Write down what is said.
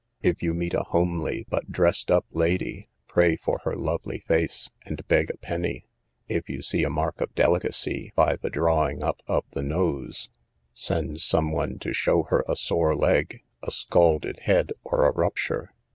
If you meet a homely, but dressed up lady, pray for her lovely face, and beg a penny; if you see a mark of delicacy by the drawing up of the nose, send somebody to show her a sore leg, a scalded head, or a rupture.